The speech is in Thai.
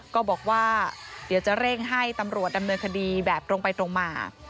ก็บอกว่าเดี๋ยวจะเร่งให้ตำรวจดำเนินคดีแบบตรงไปตรงมา